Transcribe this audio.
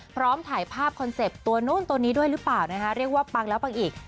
พร้อมถ่ายภาพคอนเซ็ปต์ตัวนู้นตัวนี้ด้วยหรือเปล่านะคะเรียกว่าปังแล้วปังอีก